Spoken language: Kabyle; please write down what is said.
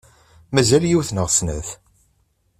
Mazal yiwet neɣ snat.